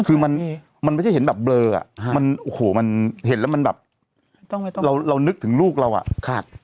คือมันไม่ได้เห็นแบบเบลออะมันเห็นแล้วมันแบบเรานึกถึงลูกเราอะ